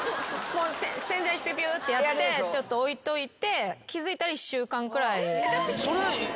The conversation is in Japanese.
洗剤ピュピューってやってちょっと置いといて気付いたら１週間くらい。